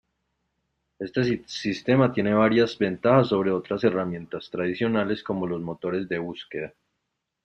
Este sistema tiene varias ventajas sobre otras herramientas tradicionales como los motores de búsqueda.